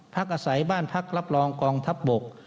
พักอาศัยบ้านพักรับรองกองทัพบก